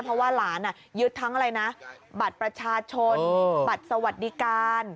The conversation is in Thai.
เพราะว่าหลานยึดทั้งอะไรนะบัตรประชาชนบัตรสวัสดิการ